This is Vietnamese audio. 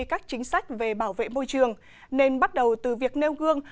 các chính sách về bảo vệ môi trường nên bắt đầu từ việc nêu gương